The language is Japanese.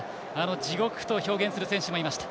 地獄と表現した選手もいました。